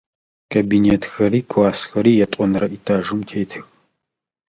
Кабинетхэри классхэри ятӏонэрэ этажым тетых.